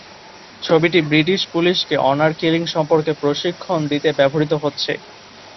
ছবিটি ব্রিটিশ পুলিশকে honour killing সম্পর্কে প্রশিক্ষণ দিতে ব্যবহৃত হচ্ছে।